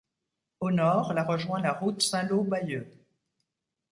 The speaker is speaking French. Au nord, la rejoint la route Saint-Lô-Bayeux.